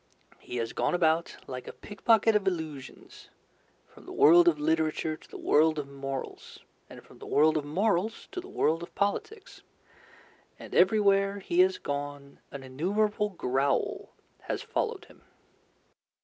He has gone about, like a pickpocket of illusions, from the world of literature to the world of morals, and from the world of morals to the world of politics, and, everywhere he has gone, an innumerable growl has followed him.